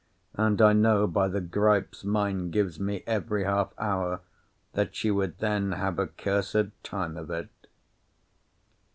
And I know, by the gripes mine gives me every half hour, that she would then have a cursed time of it.